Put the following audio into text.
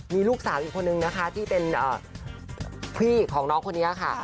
มีลูกสาวอีกคนนึงนะคะที่เป็นพี่ของน้องคนนี้ค่ะ